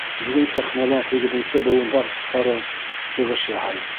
Бөгөн сәхнәлә һигеҙенсе быуын артистары сығыш яһай.